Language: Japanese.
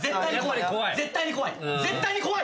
怖い？絶対に怖い。